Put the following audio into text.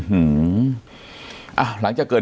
อุ้มิทัศน์มันก็มองรถนี่